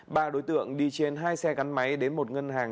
ba đối tượng đi trên hai xe gắn máy đến một ngân hàng